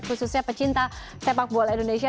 khususnya pecinta sepak bola indonesia